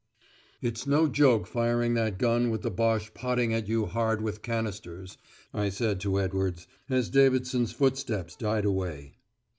"It's no joke firing that gun with the Boche potting at you hard with canisters," I said to Edwards, as Davidson's footsteps died away.